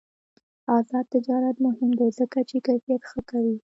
آزاد تجارت مهم دی ځکه چې کیفیت ښه کوي.